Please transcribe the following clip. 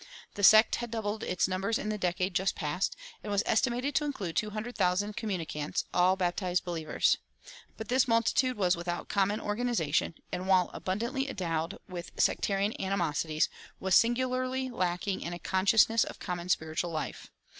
The sect had doubled its numbers in the decade just passed, and was estimated to include two hundred thousand communicants, all "baptized believers." But this multitude was without common organization, and, while abundantly endowed with sectarian animosities, was singularly lacking in a consciousness of common spiritual life.